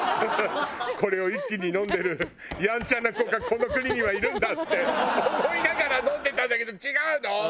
これを一気に飲んでるやんちゃな子がこの国にはいるんだって思いながら飲んでたんだけど違うの？